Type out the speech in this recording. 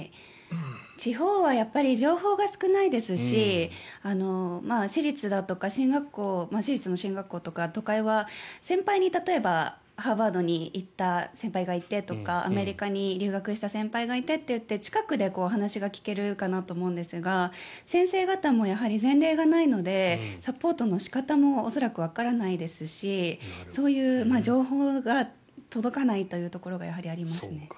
地方はやっぱり情報が少ないですし私立の進学校だとか例えば、都会は先輩にハーバードに行った先輩がいてとかアメリカに留学した先輩がいてっていって近くで話が聞けると思うんですが先生方も前例がないのでサポートの仕方も恐らくわからないですしそういう情報が届かないというところがやはりありますね。